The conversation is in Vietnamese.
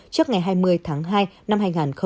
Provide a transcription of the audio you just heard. trước ngày hai mươi tháng hai năm hai nghìn hai mươi